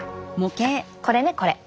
あっこれねこれ。